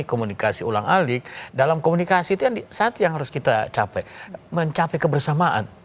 komunikasi ulang alik dalam komunikasi itu satu yang harus kita capai mencapai kebersamaan